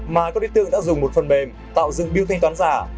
mà có đối tượng đã dùng một phần bềm tạo dựng biêu thanh toán giả